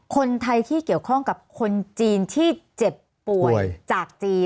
คนไทยที่เกี่ยวข้องกับคนจีนที่เจ็บป่วยจากจีน